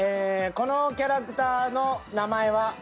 このキャラクターの名前は？